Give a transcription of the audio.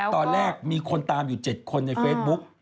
ตอนแรกมีคนตามอยู่๗คนในเฟซบุ๊ก